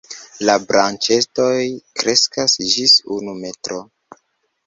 La branĉetoj kreskas ĝis unu metro.